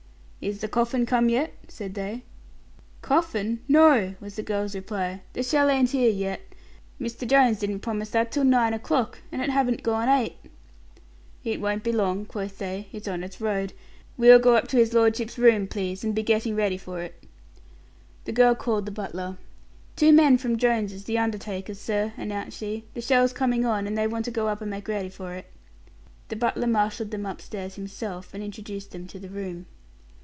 "Is the coffin come yet?" said they. "Coffin no!" was the girl's reply. "The shell ain't here yet. Mr. Jones didn't promise that till nine o'clock, and it haven't gone eight." "It won't be long," quoth they; "its on its road. We'll go up to his lordship's room, please, and be getting ready for it." The girl called the butler. "Two men from Jones', the undertaker's, sir," announced she. "The shell's coming on and they want to go up and make ready for it." The butler marshaled them upstairs himself, and introduced them to the room.